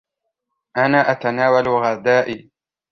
أنا أتناول غدائي.